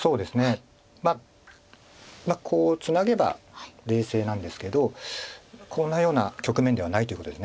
まあこうツナげば冷静なんですけどこんなような局面ではないということです。